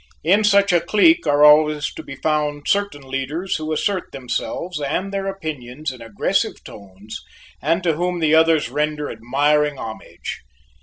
In such a clique are always to be found certain leaders who assert themselves and their opinions in aggressive tones and to whom the others render admiring homage.